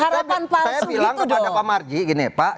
saya bilang kepada pak marji gini pak